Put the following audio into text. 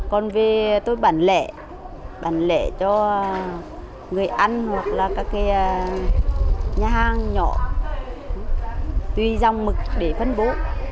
còn về tôi bản lệ bản lệ cho người ăn hoặc là các nhà hàng nhỏ tùy dòng mực để phân bố